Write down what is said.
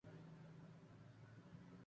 Nada puede decirse que no se haya dicho antes